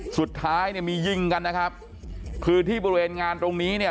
สุดท้ายเนี่ยมียิงกันนะครับคือที่บริเวณงานตรงนี้เนี่ย